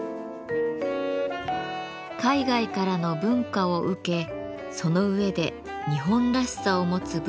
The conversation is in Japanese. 海外からの文化を受けその上で日本らしさを持つ仏像が生まれたのです。